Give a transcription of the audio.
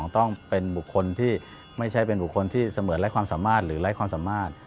ต้องเป็นบุคคลที่ไม่ใช่เป็นบุคคลที่เสมือนไร้ความสามารถหรือไร้ความสามารถ